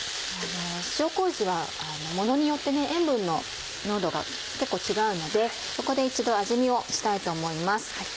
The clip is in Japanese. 塩麹はものによって塩分の濃度が結構違うのでここで一度味見をしたいと思います。